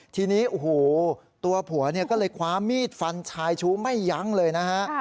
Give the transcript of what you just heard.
ทีนี้โอ้โหตัวผัวเนี่ยก็เลยคว้ามีดฟันชายชู้ไม่ยั้งเลยนะฮะ